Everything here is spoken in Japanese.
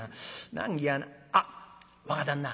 難儀やなあっ若旦那